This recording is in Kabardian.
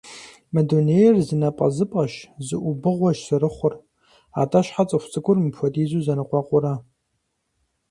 Мы дунейр зы напӏэзыпӏэщ, зы ӏубыгъуэщ зэрыхъур, атӏэ, щхьэ цӏыхуцӏыкӏур мыпхуэдизу зэныкъуэкъурэ?